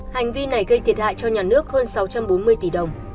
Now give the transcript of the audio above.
hành vi này gây thiệt hại cho nhà nước hơn sáu trăm bốn mươi tỷ đồng